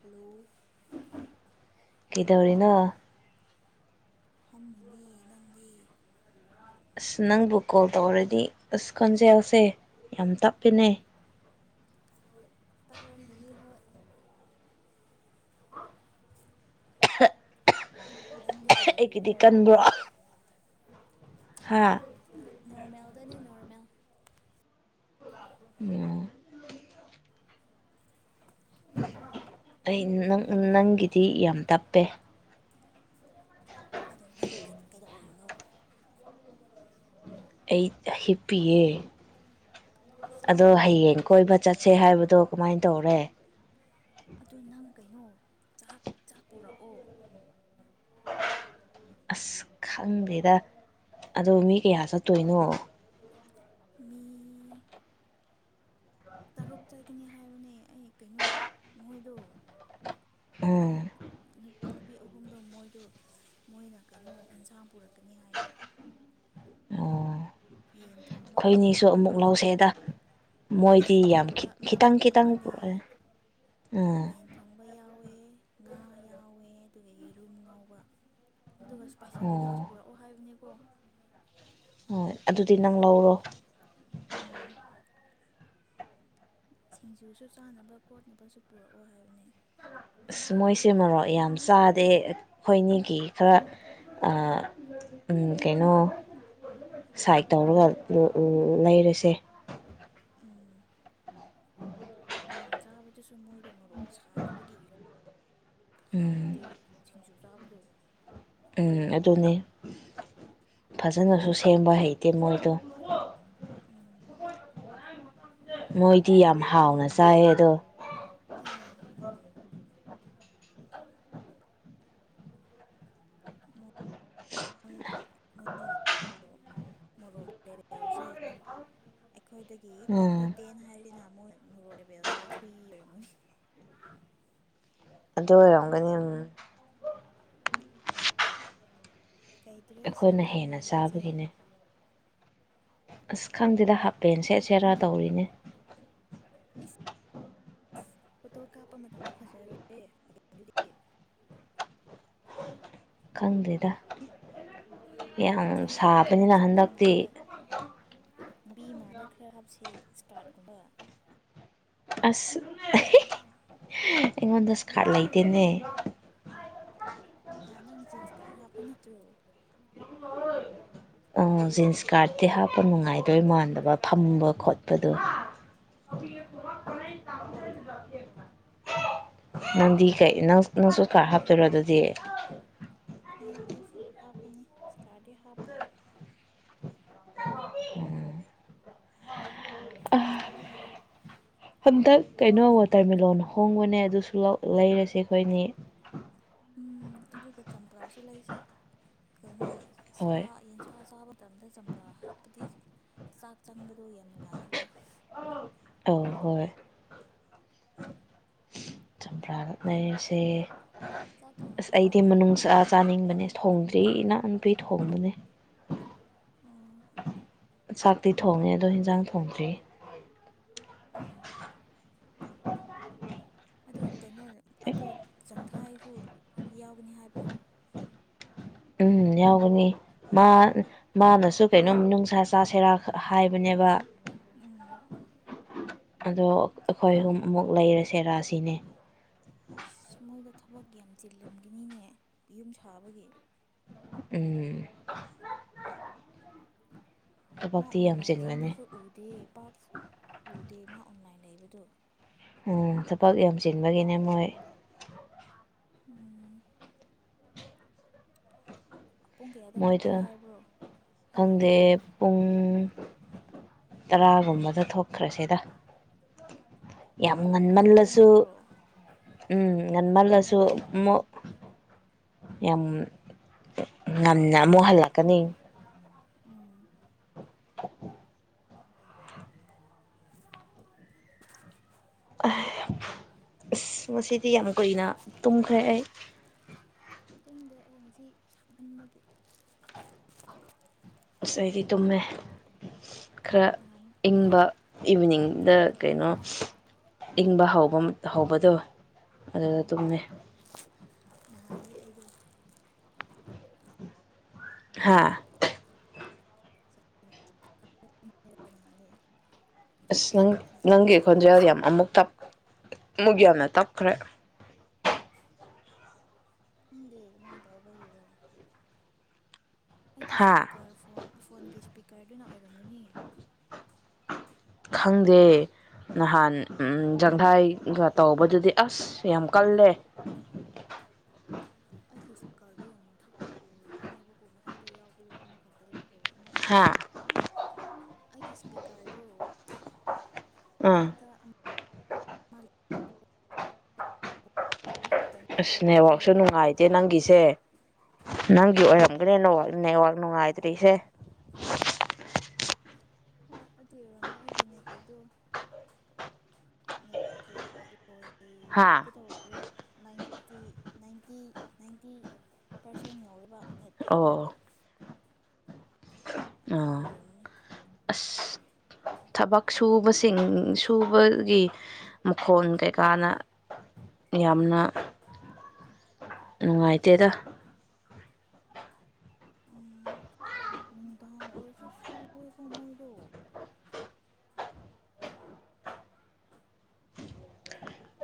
hello ꯅ ꯐꯝꯃꯤꯅꯤ ꯅꯪꯗꯤ ꯑꯁ ꯅꯪꯕꯨ ꯀꯣꯜ ꯇꯧꯔꯗꯤ ꯑꯁ ꯈꯣꯟꯖꯦꯜꯁꯦ ꯌꯥꯝ ꯇꯞꯄꯤꯅꯦ [inaudible] ꯅꯪꯗꯤ ꯑꯩꯒꯤꯗꯤ ꯀꯩꯗꯧꯔꯤꯅꯣ ꯀꯟꯕ꯭ꯔꯣ ꯍꯥ ꯅꯣꯔꯃꯦꯜꯗꯅꯦ ꯅꯣꯔꯃꯦꯜ [unintelligible] ꯑꯩꯪ ꯅꯪꯒꯤꯗꯤ ꯌꯥꯝ ꯇꯞꯄꯦ ꯑꯗꯣ ꯅꯪ ꯀꯩꯗꯧꯔꯤꯅꯣ ꯑꯩ ꯍꯤꯞꯄꯤꯌꯦ ꯆꯥꯛ ꯑꯗꯣ ꯊꯣꯡꯉꯕꯣ ꯍꯌꯦꯡ ꯀꯣꯏꯕ ꯆꯠꯁꯦ ꯍꯥꯏꯕꯗ ꯑꯗꯣ ꯀꯃꯥꯏꯅ ꯇꯧꯔꯦ ꯑꯗꯨ ꯅꯪ ꯀꯩꯅꯣ ꯆꯥꯛ ꯆꯥꯛ ꯄꯨꯔꯛꯑꯣ ꯑꯁ ꯈꯪꯗꯦꯗ ꯑꯗꫭ ꯃꯤ ꯀꯌꯥ ꯆꯠꯇꯣꯏꯅꯣ [unintelligible] ꯇꯔꯨꯛ ꯆꯠꯀꯅꯤ ꯍꯥꯏꯕꯅꯦ ꯑꯩ ꯀꯩꯅꯣ ꯃꯣꯏꯗꯣ ꯎꯝ ꯑꯍꯨꯝ ꯅꯨꯄꯤ ꯑꯍꯨꯝꯗ ꯃꯣꯏ ꯑꯗꯨ ꯃꯣꯏꯅ ꯀꯩꯅꯣ ꯑꯦꯟꯁꯥꯡ ꯄꯨꯔꯛꯀꯅꯤ ꯍꯥꯏꯌꯦ ꯑꯣ ꯌꯦꯟ ꯊꯣꯡꯕ ꯑꯃ ꯑꯩꯈꯣꯏꯅꯤꯁꯨ ꯑꯃꯨꯛ ꯑꯗꯨꯒ ꯂꯧꯁꯦꯗ ꯃꯣꯏꯗꯤ ꯌꯦꯟ ꯌꯥꯝ ꯊꯣꯡꯕ ꯈꯤꯇꯪ ꯈꯤꯇꯪ ꯑꯃꯅꯦ ꯄꯨꯔꯛꯑꯦ ꯎꯝ ꯌꯦꯟ ꯊꯣꯡꯕ ꯌꯥꯎꯋꯦ ꯉꯥ ꯌꯥꯎꯋꯦ ꯑꯗꯨꯒ ꯌꯦꯔꯨꯝ ꯉꯥꯎꯧꯕ ꯑꯗꯨꯒ ꯏꯁꯄꯥꯏꯁꯤ ꯑꯣ ꯅꯨꯗꯜꯁ ꯄꯨꯔꯛꯑꯣ ꯍꯥꯏꯕꯅꯦ ꯀꯨ ꯍꯣꯏ ꯑꯗꯨꯗꯤ ꯅꯪ ꯂꯧꯔꯣ ꯎꯝ ꯁꯤꯡꯖꯨꯁꯨ ꯆꯥꯅꯕ ꯈꯣꯠꯅꯕꯁꯨ ꯄꯨꯔꯛꯑꯣ ꯍꯥꯏꯕꯅꯦ ꯑꯁ ꯂꯩꯔꯗꯤ ꯃꯣꯏꯁꯦ ꯃꯔꯣꯔꯣꯛ ꯌꯥꯝ ꯆꯥꯗꯦ ꯑꯩꯈꯣꯏꯅꯤꯒꯤ ꯈꯔ ꯀꯩꯅꯣ ꯁꯥꯏꯠ ꯇꯧꯔꯒ ꯂꯩꯔꯁꯦ ꯎꯝ ꯅꯍꯥꯟ ꯆꯥꯕꯗꯁꯨ ꯃꯣꯏꯗꯣ ꯃꯣꯛ ꯁꯥꯗꯕꯒꯤ ꯎꯝ ꯍꯥꯎꯇꯦ ꯊꯁꯤꯡꯖꯨꯔꯥ ꯇꯨ ꯎꯝ ꯑꯗꯨꯅꯤ ꯐꯖꯅꯁꯨ ꯁꯤ ꯊꯕ ꯍꯥꯏꯇ ꯃꯣꯏꯗ ꯃꯣꯏ ꯏꯗꯤ ꯌꯥꯝ ꯍꯥꯎꯅ ꯆꯥꯏꯑꯌꯦ ꯑꯗꯣ ꯣꯏꯒꯤꯣꯏꯒꯤ ꯃꯣꯔꯣꯛꯔꯤꯦꯜꯁꯦ ꯑꯩꯈꯣꯏꯗꯒꯤ ꯎꯝ ꯑꯩꯈꯣꯏ ꯇꯦꯟ ꯍꯥꯏꯔꯅꯤꯅ ꯃꯣꯏ ꯃꯣꯔꯣꯛ ꯑꯦꯦꯕꯦꯜꯁꯦ ꯊ꯭ꯔꯤ ꯏꯔꯝꯅꯤ ꯑꯗꯨ ꯑꯣꯏꯔꯝꯒꯅꯤ ꯎꯝ ꯀꯩ ꯗ꯭ꯔꯦꯁ ꯑꯩꯈꯣꯏꯅ ꯁꯦꯠꯇꯣꯏꯅꯣ ꯍꯦꯟꯅ ꯍꯌꯦꯡꯁꯦ ꯆꯥꯕꯒꯤꯅꯦ ꯑꯁ ꯈꯪꯗꯦꯗ ꯍꯥꯞꯄꯦꯟ ꯁꯦꯠꯁꯦꯔꯥ ꯇꯧꯔꯤꯅꯦ ꯏꯁ ꯑꯣꯗꯣ ꯀ ꯀꯄ ꯃꯇꯝꯗ ꯐꯖꯔꯣꯏ [unintelligible] ꯈꯪꯗ꯭ꯔꯤꯗ ꯌꯥꯝ ꯈꯔ ꯄꯤꯛꯅꯤꯛ ꯁꯥꯕꯅꯤꯅ ꯆꯠꯄ ꯍꯟꯗꯛꯇꯤ ꯃꯥꯟꯕ ꯅꯨꯄꯤ ꯃꯥꯟꯕ ꯈꯔ ꯍꯥꯞꯁꯦ ꯏꯁꯀꯥꯔꯠꯀꯨꯝꯕ ꯑꯁ ꯑꯩꯉꯣꯟꯗ ꯁ ꯀꯥꯔꯠ ꯂꯩꯇꯦꯅꯦ ꯍ ꯅꯝ ꯀꯥꯔ ꯍꯀ ꯃꯠꯇ꯭ꯔꯣꯣ ꯑ ꯖꯤꯟꯁ ꯀꯥꯔꯇꯤ ꯍꯥꯞꯄ ꯅꯨꯡꯉꯥꯏꯗꯣꯏ ꯃꯥꯟꯗꯕ ꯐꯝꯕ ꯈꯣꯠꯄꯗꯨꯣ ꯅꯪꯗꯤ ꯀꯩꯪ ꯅꯪꯁꯨ ꯀꯥꯔꯠ ꯍꯥꯞꯇꯣꯏꯔꯣ ꯑꯗꯨꯗꯤ ꯑꯩꯗꯤ ꯐ꯭ꯔꯣꯛ ꯍꯥꯞꯄꯅꯤ ꯏꯁꯀꯥꯔꯤ ꯍꯥꯞꯄꯣꯏ ꯎꯝ ꯍꯟꯗꯛ ꯀꯩꯅꯣ ꯋꯥꯇꯔꯃꯦꯂꯂꯣꯟ ꯍꯣꯡꯕꯅꯦ ꯑꯗꯨꯁꯨ ꯂꯩꯔꯁꯦ ꯑꯩꯈꯣꯏꯅꯤ ꯎꯝ ꯑꯗꯨꯒ ꯆꯝꯄ꯭ꯔꯥꯁꯨ ꯂꯩꯁꯦ ꯀꯩꯅꯣ ꯍꯣꯏ ꯌꯦꯟꯁꯥ ꯆꯥꯕ ꯃꯇꯝꯗ ꯆꯝꯄ꯭ꯔꯥ ꯍꯥꯞꯄꯗꯤ ꯆꯥꯛ ꯆꯪꯕ ꯑꯗꯣ ꯌꯥꯝ ꯅꯨꯡꯉꯥꯏꯑꯕ ꯆꯝꯄ꯭ꯔꯥꯒꯅꯔꯤꯁꯦ ꯆꯥꯛ ꯑꯁ ꯊꯣꯡꯉꯕꯣ ꯑꯩꯗꯤ ꯅꯪ ꯃꯅꯨꯡ ꯆꯑ ꯆꯥꯅꯤꯡꯕꯅꯦ ꯊ ꯁꯤ ꯏꯅꯥꯅꯨꯄꯤ ꯊꯣꯡꯕꯅꯦ ꯑꯣ ꯆꯥꯛꯇꯤ ꯊꯣꯡꯉꯦ ꯑꯗꯣ ꯌꯦꯟꯖꯥꯡ ꯊꯣꯡꯗ꯭ꯔꯤ ꯑꯣ ꯑꯗꯨ ꯀꯩꯅꯣ ꯑꯗꯨ ꯆꯪꯊꯥꯏꯁꯨ ꯌꯥꯎꯒꯅꯤ ꯍꯥꯏꯕ꯭ꯔꯥ ꯎꯝ ꯌꯥꯎꯒꯅꯤ ꯃꯥ ꯃꯥꯅꯁꯨ ꯀꯩꯅꯣꯝ ꯅꯨꯡꯁꯥ ꯆꯥ ꯁꯦꯔꯥꯛ ꯍꯥꯏꯕꯅꯦꯕ ꯎꯝ ꯑꯗꯣ ꯑꯩꯈꯣꯏ ꯑꯍꯨꯝ ꯑꯃꯨꯛ ꯂꯩꯔꯁꯦ ꯔꯥꯁꯤꯅꯦ ꯑꯁ ꯃꯣꯏꯗ ꯊꯕꯛ ꯌꯥꯝ ꯆꯤꯜꯂꯝꯈꯤꯅꯤꯅꯦ ꯌꯨꯝ ꯁꯥꯕꯒꯤ ꯎꯝ ꯃꯥ ꯊꯕꯛꯇꯤ ꯌꯥꯝ ꯑꯣꯟꯂꯥꯏꯟ ꯆꯤꯟꯕꯅꯦ ꯆꯪꯕꯁꯨ ꯎꯗꯦ ꯄꯞ ꯎꯗꯦ ꯃꯥ ꯑꯣꯟꯂꯥꯏꯟ ꯂꯩꯕꯗꯣ ꯎꯝ ꯊꯕꯛ ꯌꯥꯝꯁꯤꯟꯕꯒꯤꯅꯦ ꯃꯣꯏ ꯎꯝ ꯄꯨꯡ ꯀꯌꯥꯗ ꯃꯣꯏꯗꯣ ꯊꯣꯛꯁꯦ ꯍꯥꯏꯕ꯭ꯔꯣ ꯈꯪꯗꯦ ꯍꯌꯦꯡꯁꯦ ꯄꯨꯡ ꯇꯔꯥꯒꯨꯝꯕꯗ ꯊꯣꯛꯈ꯭ꯔꯁꯤꯗ [unintelligible] ꯌꯥꯝ ꯑꯣꯇꯣꯅ ꯆꯠꯇꯣꯏ ꯉꯟꯃꯜꯂꯁꯨ ꯅꯠꯇ꯭ꯔꯣ ꯎꯝ ꯉꯟꯃꯜꯂꯁꯨ ꯌꯥꯝ ꯉꯟꯅ ꯑꯃꯨꯛ ꯍꯜꯂꯛꯀꯅꯤ ꯎꯝ [unintelligible] ꯑꯁ ꯃꯁꯤꯗꯤ ꯌꯥꯝ ꯀꯨꯏꯅ ꯇꯨꯝꯈ꯭ꯔꯦ ꯑꯩ ꯇꯨꯡꯗ ꯑꯩ ꯉꯁꯤ ꯁꯝꯍꯟꯕꯒꯤ ꯉꯥꯏꯗꯤ ꯇꯨꯝꯃꯦ ꯈꯔ ꯅꯍꯥꯟ ꯏꯪꯕ ꯏꯚꯅꯤꯡ ꯗ ꯀꯩꯅꯣ ꯏꯪꯕ ꯍꯧꯕ ꯍꯧꯕꯗꯣ ꯑꯗꯨꯗ ꯎꯝ ꯇꯃꯦꯃꯦ ꯅꯍꯥꯟꯗꯤ ꯑꯩꯗꯣ ꯍꯥꯥ ꯗꯦ ꯑꯁ ꯅꯪ ꯅꯪꯒꯤ ꯈꯣꯟꯖꯦꯜ ꯑꯩ ꯌꯥꯝ ꯑꯃꯨꯛ ꯑꯃꯨꯛ ꯌꯥꯝꯅ ꯇꯞ ꯈꯔꯦ ꯎ ꯗ ꯃꯥꯏꯗ ꯍꯕ ꯍꯔꯣ ꯑꯩꯒꯤ ꯍꯥ ꯏꯁꯄꯤꯀꯔ ꯐꯣꯟ ꯐꯣꯟꯒꯤ ꯏꯁꯄꯤꯀꯔꯗꯨꯅ ꯑꯣꯏꯔ ꯈꯪꯗꯦ ꯅꯍꯥꯟ ꯖꯪꯈꯥꯏꯒ ꯇꯧꯕꯗꯨꯗꯤ ꯑꯁ ꯌꯥꯝ ꯀꯜꯂꯦ ꯑꯩꯒꯤ ꯏꯁꯄꯤꯀꯔꯗꯣ ꯃꯊꯛꯇ ꯑꯣꯏꯔꯤꯕꯅꯦꯕꯀꯣ ꯃꯊꯛꯇ ꯌꯥꯎꯕꯗꯣ ꯑꯃꯈꯛꯇ ꯂꯩꯕꯣ ꯍ ꯍꯥ ꯑꯃꯈꯛꯇꯅꯦꯕꯣ ꯑꯩꯒꯤ ꯏꯁꯄꯤꯀꯔꯗꯨꯣ ꯑꯥ ꯃꯊꯛꯇ [unintelligible] [unintelligible] ꯑꯁ ꯑꯗꯨꯒꯤ ꯅꯦꯠꯋꯥꯛꯁꯨ ꯅꯨꯡꯉꯥꯏꯇꯦ ꯑꯣꯏꯔꯝꯒꯅꯦꯕ ꯅꯪꯒꯤꯁꯦ ꯅꯪꯒꯤ ꯎꯝ ꯑꯣꯏꯔꯝꯒꯅꯦ ꯅꯋ ꯅꯦꯠꯋꯥꯛ ꯅꯨꯡꯉꯥꯏꯇ꯭ꯔꯤꯁꯦ ꯍ ꯍꯣꯏ ꯑꯗꯨ ꯌꯧꯔꯝꯒꯦ ꯑꯩꯒꯤꯅꯦꯀꯩꯗꯣ ꯅꯠꯇ꯭ꯔꯦ ꯍꯣꯏ ꯍꯥ ꯀꯗꯧꯔꯦ ꯅꯥꯏꯟꯇꯤ ꯅꯥꯏꯟꯇꯤ ꯅꯥꯏꯟꯇꯤ ꯄꯥꯔꯁꯦꯟ ꯌꯧꯔꯤꯕ ꯑꯣ ꯑꯗꯨ ꯑꯥ ꯂꯩꯔꯝꯃꯅꯤ ꯑꯁ ꯊꯕꯛ ꯁꯨꯕꯁꯤꯡ ꯁꯨꯕꯒꯤ ꯃꯈꯣꯣꯟ ꯀꯩꯀꯥꯅ ꯌꯥꯝꯅ ꯅꯨꯡꯉꯥꯏꯇꯦꯗ ꯎ ꯂꯗ ꯑꯣꯔꯁꯨ ꯁꯣꯏ ꯀꯃꯣꯏꯔꯣ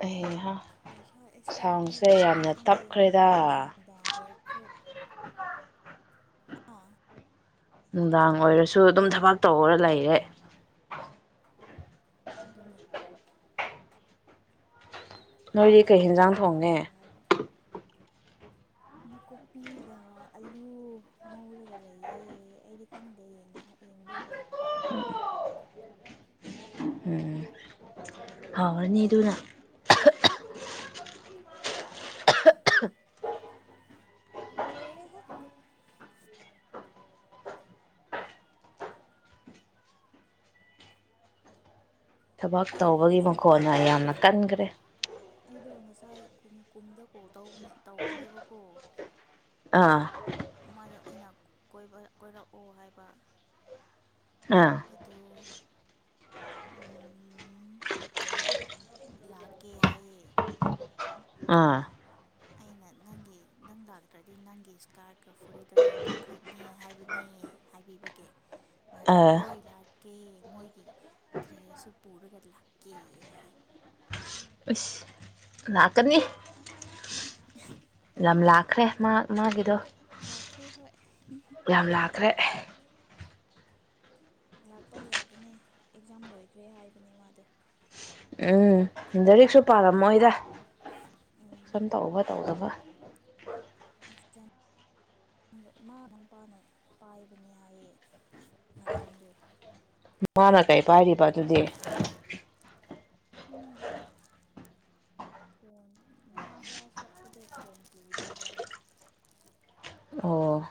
ꯑꯩꯍꯥ ꯄꯩꯥ ꯑꯦꯛꯁꯇ꯭ꯔꯥ ꯁꯥꯎꯟꯁꯦ ꯄꯤꯕꯒꯤꯦꯔꯥ ꯌꯥꯝꯅ ꯈꯪꯗꯦ ꯇꯞꯈ꯭ꯔꯦꯗ ꯃꯣꯏꯗꯣ ꯅꯨꯡꯗꯥꯡ ꯑꯣꯏꯔ ꯑꯥ ꯅꯨꯡꯗꯥꯡ ꯑꯣꯏꯔꯁꯨ ꯑꯗꯨꯝ ꯊꯕꯛ ꯇꯧꯔ ꯂꯩꯔꯦ ꯑꯗꯨꯗꯅꯤ ꯅꯣꯏꯗꯤ ꯀꯩ ꯌꯦꯦꯟꯖꯥꯡ ꯊꯣꯡꯉꯦ ꯑꯀꯨꯞꯄꯤꯒ ꯑꯂꯨ ꯉꯧꯔꯒ ꯂꯩꯌꯦꯦ ꯑꯩꯗꯤ ꯈꯪꯗꯦ ꯌꯦꯡꯕꯤꯗꯦ ꯐꯥꯎꯔꯅꯤ ꯑꯗꯨꯅ ꯅꯣ ꯔ ꯍꯦ ꯊꯕꯛ ꯑꯩ ꯇꯧꯕꯒꯤ ꯉꯁꯥꯏꯗꯣ ꯃꯈꯣꯅ ꯌꯥꯝꯅ ꯀꯟꯈ꯭ꯔꯦ ꯑꯩꯗꯣ ꯉꯁꯥꯏ ꯀꯨꯝꯗ ꯀꯣ ꯇ ꯇꯧꯕꯅꯦꯕꯀꯣ ꯑꯥ ꯃꯥꯅ ꯑꯩꯅ ꯀꯣꯏꯔꯛꯑꯣ ꯍꯥꯏꯕ ꯑꯥ ꯑꯗꯨ ꯎ ꯂꯥꯛꯀꯦ ꯍꯥꯏꯌꯦꯦ ꯑꯥ ꯑꯩꯅ ꯅꯪꯒꯤ ꯅꯪ ꯂꯥꯛꯇ꯭ꯔꯗꯤ ꯅꯪꯒꯤ ꯏꯁꯀꯥꯔꯀ ꯐꯨꯔꯤꯗꯣ ꯌꯣꯟꯊꯣꯛꯈ꯭ꯔꯅꯤ ꯍꯥꯏꯕꯅꯦ ꯍꯥꯏꯕꯤꯕꯒꯤꯦ ꯃꯥꯗ ꯑꯥ ꯍꯣꯏ ꯂꯥ ꯀ ꯃꯒꯤ꯭ꯔꯦꯁꯨꯄ ꯄꯨꯔꯒꯗ ꯂꯥꯛꯀꯤ ꯏꯁ ꯂꯥꯛꯀꯅꯤ [unintelligible] ꯌꯥꯝ ꯂꯥꯛꯈ꯭ꯔꯦ ꯃꯥ ꯃꯥꯒꯤꯗꯣ ꯂꯥꯛ꯭ꯔꯦ ꯍ ꯌꯥꯝ ꯂꯥꯛꯈ꯭ꯔꯦ ꯂꯥꯛꯄ ꯌꯥꯕꯅꯦ ꯑꯦꯛꯖꯥꯝ ꯂꯣꯏꯈ꯭ꯔꯦ ꯍꯥꯏꯕꯅꯤ ꯃꯥꯗꯣ ꯎꯝ ꯂꯔꯤꯛꯁꯨ ꯄꯥꯜꯂꯝꯃꯣꯏꯗ ꯎꯝ ꯁꯨꯝ ꯇꯧꯕ ꯇꯧꯗꯕ ꯑꯦꯛꯖꯥꯝ ꯏꯃꯥꯅ ꯃꯄꯥꯅ ꯄꯥꯏꯕꯅꯦ ꯍꯥꯏꯌꯦ ꯉꯔꯥꯡꯗꯣ ꯃꯥꯅ ꯀꯩ ꯄꯥꯏꯔꯤꯕ ꯑꯗꯨꯗꯤ ꯈꯪꯗꯦ ꯐꯣꯟ ꯉꯔꯥꯡ ꯀ꯭ꯂꯥꯁ ꯆꯠꯄꯗ ꯐꯣꯟ ꯇꯗꯦ ꯍꯥꯏ ꯑꯣ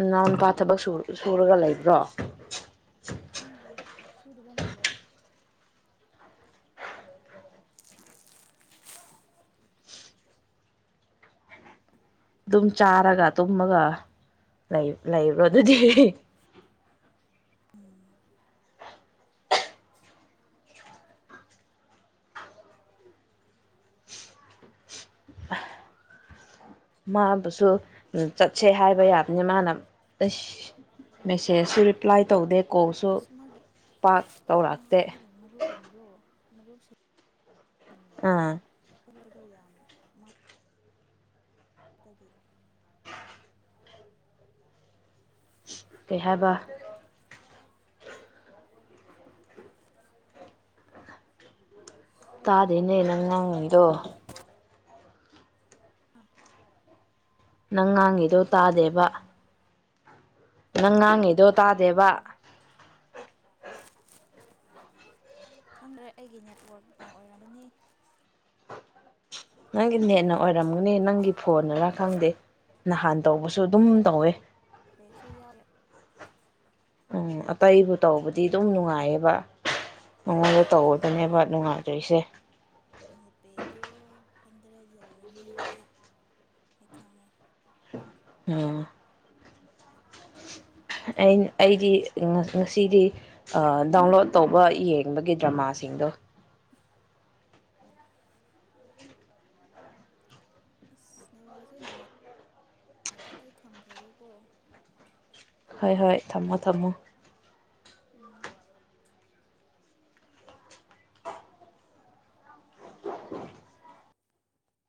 ꯎꯅꯥꯎ ꯅꯨꯨꯄꯥ ꯊꯕꯛ ꯁꯨꯔꯒ ꯂꯩꯕ꯭ꯔꯣ ꯈꯪꯗꯦ ꯁꯨꯗꯕ ꯃꯥꯂꯦ ꯑꯗꯨꯝ ꯆꯥꯔꯒ ꯇꯨꯝꯃꯒ ꯂꯩꯕ꯭ꯔꯣ ꯑꯗꯨꯗꯤ ꯎꯝ ꯃꯥꯕꯨꯁꯨ ꯁꯦ ꯍꯥꯏꯕ ꯌꯥꯕꯅꯤ ꯃꯥꯅꯁ ꯃꯦꯁꯦꯁꯁꯨ ꯔꯤꯄ꯭ꯂꯥꯏ ꯇꯧꯗꯦ ꯀꯣꯜꯁꯨ ꯑꯁ ꯃꯥꯒꯤ ꯄꯥꯛ ꯇꯧꯔꯛꯇꯦ ꯃꯨꯞ ꯁꯤ ꯑꯥ ꯔꯗ ꯌꯥꯝ ꯑꯗꯒꯤ ꯀꯩ ꯍꯥꯏꯕ ꯇꯥꯗꯤꯅꯦ ꯅꯪ ꯉꯥꯡꯏꯗꯣ ꯅꯪ ꯉꯥꯡꯏꯗꯣ ꯀꯔꯤꯕ ꯇꯥꯗꯦꯕ ꯅꯪ ꯉꯥꯡꯉꯤꯗꯣ ꯇꯥꯗꯦꯕ ꯑꯥ ꯈꯪꯗ꯭ꯔꯦ ꯑꯩꯒꯤ ꯅꯦꯠꯋꯥꯛꯛꯅ ꯑꯣꯏꯔꯝꯒꯅꯤ ꯅꯪꯒꯤ ꯅꯦꯠꯅ ꯑꯣꯏꯔꯝꯒꯅꯤ ꯅꯪꯒꯤ ꯐꯣꯟꯅꯔ ꯈꯪꯗꯦ ꯅꯍꯥꯟ ꯇꯧꯕꯁꯨ ꯑꯗꯨꯝ ꯇꯧꯋꯦ ꯅꯦꯠꯁꯨ ꯌꯥꯎꯏ ꯎꯝ ꯑꯇꯩꯕꯨ ꯇꯧꯕꯗꯤ ꯑꯗꯨꯝ ꯅꯨꯡꯉꯥꯏꯌꯦꯕ ꯃꯉꯣꯟꯗ ꯇꯧꯔꯗꯅꯦꯕ ꯅꯦꯠꯄꯦꯛ ꯅꯨꯡꯉꯥꯏꯇꯣꯏꯁꯦ ꯑꯗꯨ ꯍꯟꯗꯔ ꯌꯧꯔꯅꯤ ꯍꯧꯖꯤꯛ ꯑꯩ ꯈꯪꯉꯦ ꯎꯝ ꯑꯩꯗꯤ ꯉꯁꯤꯗꯤ ꯗꯥꯎꯟꯂꯣꯗ ꯇꯧꯕ ꯌꯦꯡꯕꯒꯤ ꯗ꯭ꯔꯃꯥꯁꯤꯡꯗꯣ ꯑꯣ ꯑꯁ ꯅꯦꯇꯩꯔꯀꯁꯤ ꯅꯨꯡꯉꯥꯏꯇꯦ ꯑꯩ ꯊꯝꯈ꯭ꯔꯒꯦꯀꯣ ꯍꯣꯏ ꯍꯣꯏ ꯊꯝꯃꯣ ꯊꯝꯃꯣ ꯎꯝ